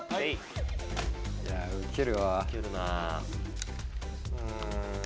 いやウケるわ。